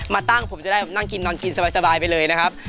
มาตั้งผมจะได้นั่งกินนอนกินสบายไปเลยนะครับ